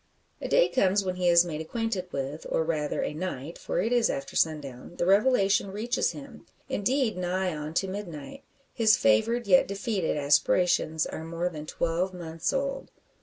A day comes when he is made acquainted with it, or, rather, a night; for it is after sundown the revelation reaches him indeed, nigh on to midnight. His favoured, yet defeated, aspirations, are more than twelve months old.